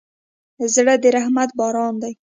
زړه د رحمت باران دی.